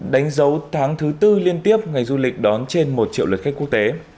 đánh dấu tháng thứ tư liên tiếp ngành du lịch đón trên một triệu lượt khách quốc tế